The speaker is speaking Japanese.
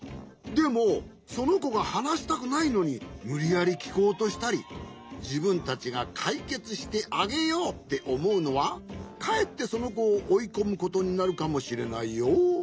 でもそのこがはなしたくないのにむりやりきこうとしたりじぶんたちがかいけつしてあげようっておもうのはかえってそのこをおいこむことになるかもしれないよ。